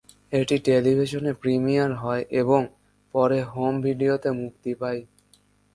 এটি টেলিভিশনে প্রিমিয়ার হয় এবং পরে হোম ভিডিওতে মুক্তি পায়।